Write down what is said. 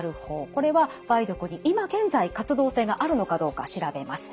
これは梅毒に今現在活動性があるのかどうか調べます。